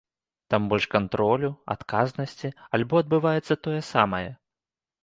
Там больш кантролю, адказнасці альбо адбываецца тое самае?